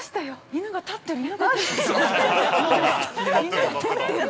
犬が立ってる。